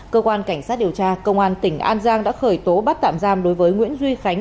cơ quan cảnh sát điều tra công an tỉnh an giang đã khởi tố bắt tạm giam đối với nguyễn duy khánh